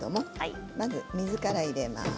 まず水から入れます。